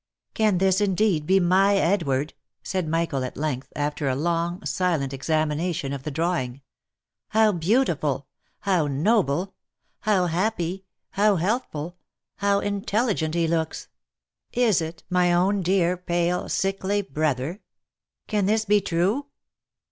" Can this indeed be my Edward?" said Michael at length, after a long silent examination of the drawing. " How beautiful !— how noble !— how happy — how healthful — how intelligent he looks ! Is it my own dear, pale, sickly brother ? Can this be true